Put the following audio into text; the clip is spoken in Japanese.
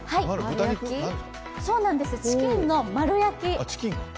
チキンの丸焼き。